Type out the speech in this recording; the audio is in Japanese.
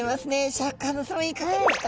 シャーク香音さまいかがですか？